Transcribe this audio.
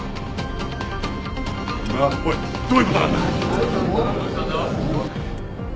おいどういうことなんだ？